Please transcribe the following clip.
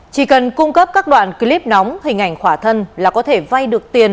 chỉ cần cung cấp các đoạn clip nóng hình ảnh khỏa thân là có thể vay được tiền